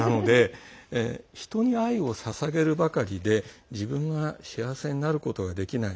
人に愛をささげるばかりで自分が幸せになることができない。